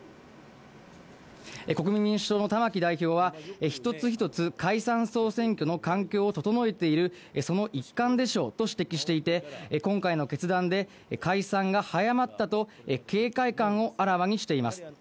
国民民主党の玉木代表は、一つ一つ解散・総選挙の環境を整えている、その一環でしょうと指摘していて、今回の決断で解散が早まったと警戒感をあらわにしています。